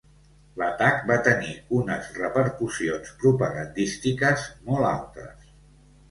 L'atac va tenir unes repercussions propagandístiques molt altes.